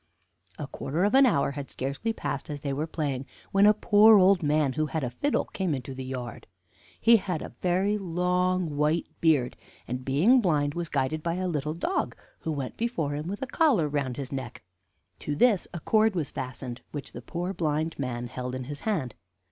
"A quarter of an hour had scarcely passed as they were playing, when a poor old man, who had a fiddle, came into the yard. "He had a very long white beard, and, being blind, was guided by a little dog, who went before him with a collar round his neck. To this a cord was fastened, which the poor blind man held in his hand.